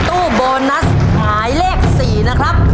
ตู้โบนัสหมายเลข๔นะครับ